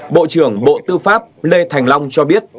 bộ trưởng bộ tư pháp lê thành long cho biết